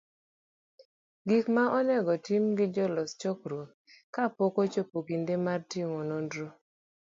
Gik ma onego tim gi jolos chokruok ,Ka pok ochopo kinde mar timo nonro,